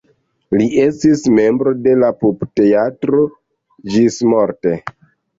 Li estis membro de la Pupteatro ĝismorte.